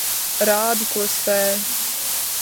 Rādi, ko spēj.